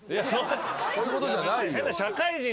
そういうことじゃないよ。